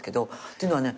っていうのはね